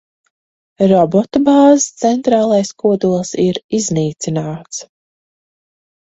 Robotu bāzes centrālais kodols ir iznīcināts.